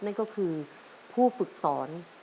นั่นก็คือผู้ฝึกสอน